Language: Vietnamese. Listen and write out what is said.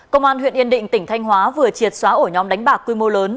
công an huyện yên định tỉnh thanh hóa vừa triệt xóa ổ nhóm đánh bạc quy mô lớn